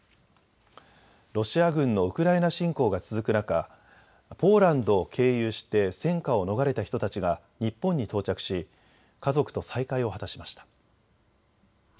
ロシア軍のウクライナ侵攻が続く中、ポーランドを経由して戦火を逃れた人たちが日本に到着し家族と再会を果たしました。